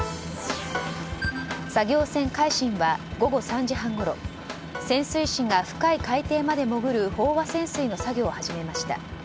作業船「海進」は午後３時半ごろ潜水士が深い海底まで潜る飽和潜水の作業を始めました。